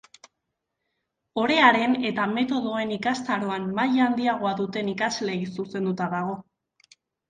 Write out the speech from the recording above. Orearen eta metodoen ikastaroan maila handiagoa duten ikasleei zuzenduta dago.